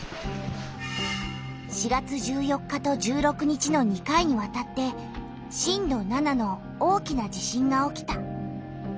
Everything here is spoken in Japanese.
４月１４日と１６日の２回にわたって震度７の大きな地震が起きた。